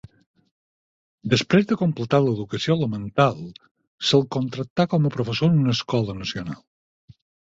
Després de completar l'educació elemental, se'l contractà com a professor en una Escola Nacional.